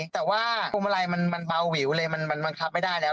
แต่ว่าพวงมาลัยมันเบาวิวเลยมันบังคับไม่ได้แล้ว